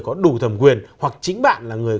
có đủ thẩm quyền hoặc chính bạn là người